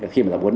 khi mà đọc bốn